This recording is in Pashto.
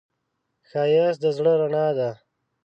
ښایست د زړه رڼا ده